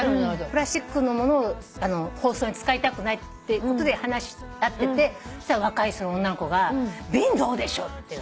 プラスチックのものを包装に使いたくないってことで話し合っててそしたら若いその女の子が瓶どうでしょう？って。